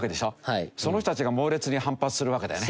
その人たちが猛烈に反発するわけだよね。